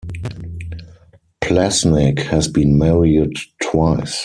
Plassnik has been married twice.